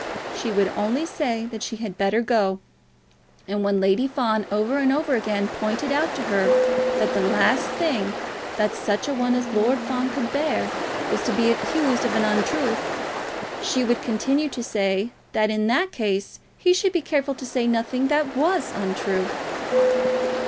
She would only say that she had better go, and when Lady Fawn over and over again pointed out to her that the last thing that such a one as Lord Fawn could bear was to be accused of an untruth, she would continue to say that in that case he should be careful to say nothing that was untrue.